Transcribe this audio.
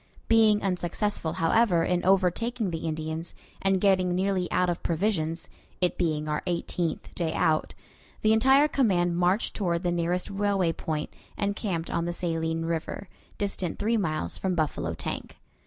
Being unsuccessful, however, in overtaking the Indians, and getting nearly out of provisions it being our eighteenth day out the entire command marched toward the nearest railway point, and camped on the Saline River, distant three miles from Buffalo Tank.